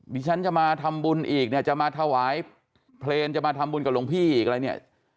ดิฉันจะมาทำบุญอีกเนี่ยจะมาถวายเพลงจะมาทำบุญกับหลวงพี่อีกอะไรเนี่ย